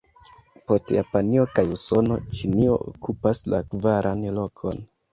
Post Japanio kaj Usono, Ĉinio okupas la kvaran lokon.